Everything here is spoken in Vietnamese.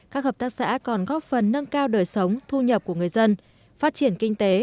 các hợp tác xã còn góp phần nâng cao đời sống thu nhập của người dân phát triển kinh tế